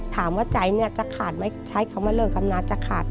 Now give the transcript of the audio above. ถามว่าใจเนี่ยจะขาดไหมใช้คำว่าเลิกอำนาจจะขาด